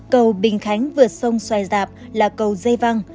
cầu bình khánh vượt sông xoài rạp là cầu dây văng